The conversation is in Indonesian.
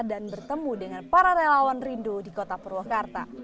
dan bertemu dengan para relawan rindu di kota purwakarta